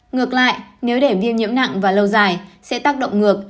ngược lại nếu để viêm nhiễm nặng và lâu dài sẽ tác động ngược